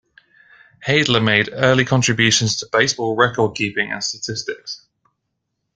Heydler made early contributions to baseball recordkeeping and statistics.